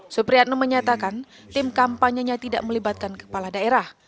supriyatno menyatakan tim kampanyenya tidak melibatkan kepala daerah